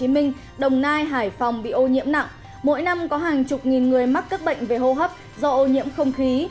mỗi năm có hàng chục nghìn người mắc các bệnh về hô hấp do ô nhiễm không khí